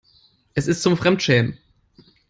Es ist zum Fremdschämen.